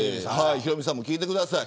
ヒロミさんも聞いてください。